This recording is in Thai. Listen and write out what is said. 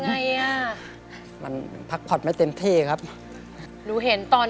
อ่านพักจินต้องเข้าการ